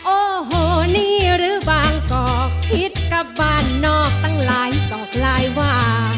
โอ้โหนี่หรือบางกอกคิดกับบ้านนอกตั้งหลายต่อหลายว่า